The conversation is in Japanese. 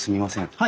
はい。